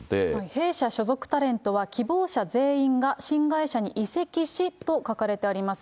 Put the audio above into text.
弊社所属タレントは希望者全員が新会社に移籍しと書かれてあります。